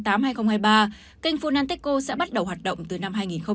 canh phunanteco sẽ bắt đầu hoạt động từ năm hai nghìn hai mươi tám